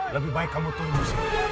lebih baik kamu turun disini